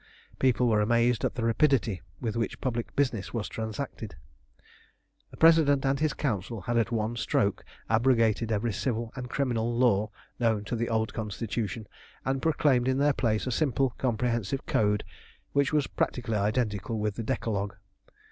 People were amazed at the rapidity with which public business was transacted. The President and his Council had at one stroke abrogated every civil and criminal law known to the old Constitution, and proclaimed in their place a simple, comprehensive code which was practically identical with the Decalogue.